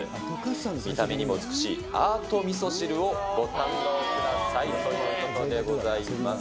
見た目にも美しい、アートみそ汁をご堪能くださいということでございます。